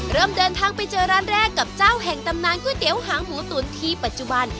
เริ่มเดินทางไปเจอร้านแรกกับเจ้าแห่งตำนานก๋วยเตี๋ยวหางหมูตุ๋นที่ปัจจุบัน